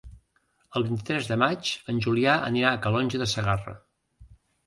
El vint-i-tres de maig en Julià anirà a Calonge de Segarra.